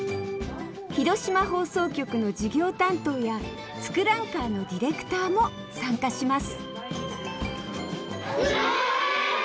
広島放送局の事業担当や「ツクランカー」のディレクターも参加しますお！